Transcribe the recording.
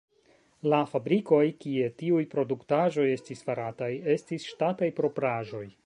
La fabrikoj, kie tiuj produktaĵoj estis farataj, estis ŝtataj propraĵoj.